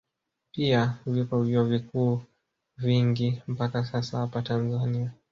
Pia vipo vyuo viku vingi mpaka sasa hapa Tanzania